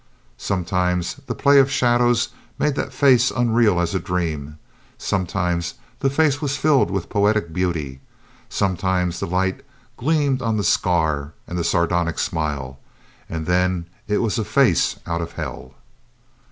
Sometimes the play of shadows made that face unreal as a dream, sometimes the face was filled with poetic beauty, sometimes the light gleamed on the scar and the sardonic smile, and then it was a face out of hell.